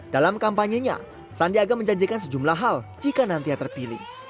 dalam kampanyenya sandiaga menjanjikan sejumlah hal jika nantinya terpilih